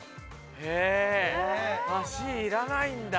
へえシいらないんだ。